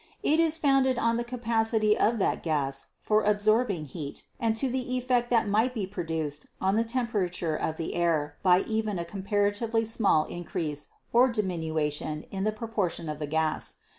It is founded on the capacity of that gas for absorbing heat and to the effect that might be produced on the temperature of the air by even a com paratively small increase or diminution in the proportion of the gas.